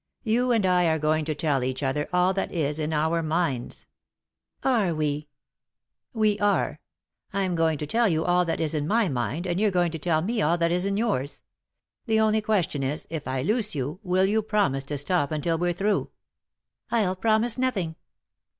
You and I are going to tell each other all that is in our 58 3i 9 iii^d by Google THE INTERRUPTED KISS " Are we I "" We are ; I'm going to tell you all that is in my mind, and you're going to tell me all that is in yours. The only question is, if I loose you, will you promise to stop until we're through ?" "I'll promise nothing."